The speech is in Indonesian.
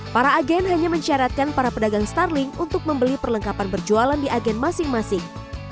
para agen hanya mencaratkan para pedagang starling untuk membeli perlengkapan berjualan di agen masing masing